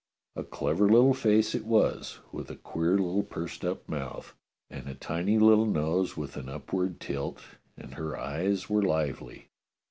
A clever little face it was, with a queer little pursed up mouth, and a tiny little nose with an upward tilt, and her eyes were lively.